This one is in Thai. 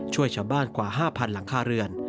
ช่วยชาวบ้านกว่า๕๐๐๐หลังคาเรือน